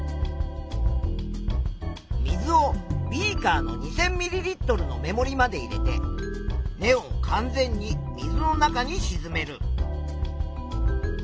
水をビーカーの２，０００ミリリットルの目もりまで入れて根を完全に水の中にしずめる。